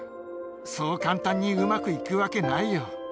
そう簡単にうまくいくわけないよ。